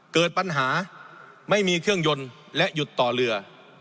เกิดปัญหาไม่มีเครื่องยนต์และหยุดต่อเรือ